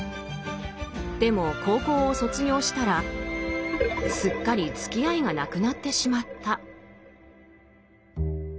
でも高校を卒業したらすっかりつきあいがなくなってしまった。